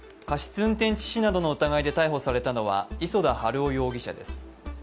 過失運転致死などの疑いで逮捕されたのは磯田晴男容疑者です。